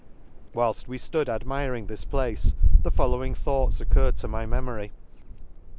— Whilft we flood admiring this place the following thoughts occured to my memory.